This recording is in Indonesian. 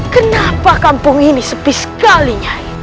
kenapa kampung ini sepi sekali nyai